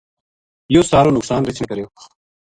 یوہ سارو نقصان رچھ نے کریو